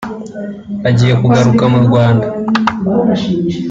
Agiye kugaruka mu Rwanda